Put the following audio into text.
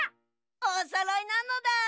おそろいなのだ。